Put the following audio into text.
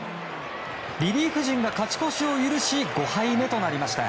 リリーフ陣が勝ち越しを許し５敗目となりました。